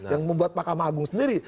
yang membuat mahkamah agung sendiri